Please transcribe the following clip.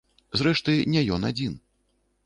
Зрэшты, не ён адзін.